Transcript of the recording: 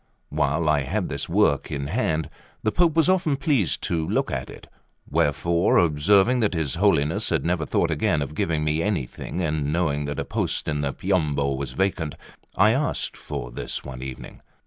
While I had this work in hand, the Pope was often pleased to look at it; wherefore, observing that his Holiness had never thought again of giving me anything, and knowing that a post in the Piombo was vacant, I asked for this one evening.